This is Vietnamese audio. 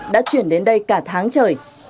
đã chuyển đến đây cả tháng trời